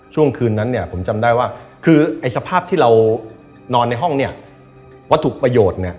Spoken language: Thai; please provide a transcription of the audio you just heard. ช่วงคืนนั้นเนี่ยผมจำได้ว่าคือไอ้สภาพที่เรานอนในห้องเนี่ยวัตถุประโยชน์เนี่ย